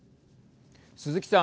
鈴木さん。